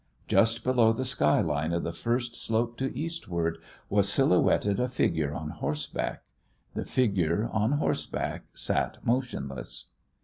Just below the sky line of the first slope to eastward was silhouetted a figure on horseback. The figure on horseback sat motionless.